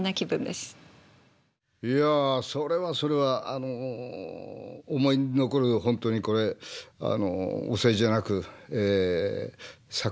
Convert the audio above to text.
いやそれはそれはあの思い出に残る本当にこれお世辞じゃなく作品だったんで。